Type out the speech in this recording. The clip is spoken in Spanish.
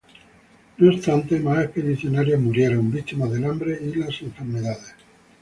No obstante, más expedicionarios murieron, víctimas del hambre y las enfermedades.